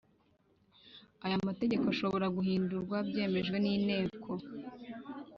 Aya mategeko ashobora guhindurwa byemejwe nInteko